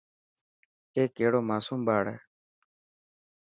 اي ڪهڙو ماصوم ٻاڙ هي.